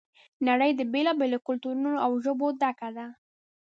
نړۍ د بېلا بېلو کلتورونو او ژبو ډکه ده.